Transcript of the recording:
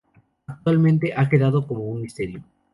Actualmente ha quedado como un misterio.